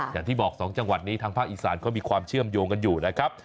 อย่างที่บอก๒จังหวัดนี้ทางภาคอีสานเขามีความเชื่อมโยงกันอยู่นะครับ